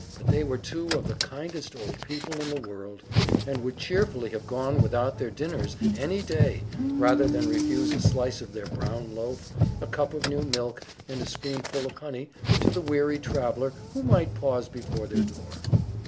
But they were two of the kindest old people in the world, and would cheerfully have gone without their dinners, any day, rather than refuse a slice of their brown loaf, a cup of new milk, and a spoonful of honey, to the weary traveller who might pause before their door.